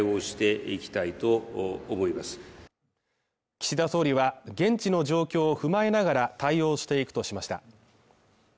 岸田総理は、現地の状況を踏まえながら対応していくとしました。